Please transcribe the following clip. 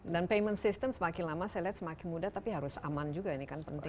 dan payment system semakin lama saya lihat semakin mudah tapi harus aman juga ini kan penting